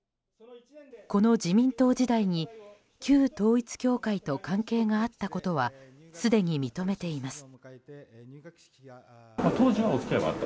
この自民党時代に旧統一教会と関係があったことはすでに認めています。